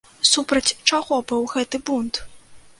Супраць чаго быў гэты бунт?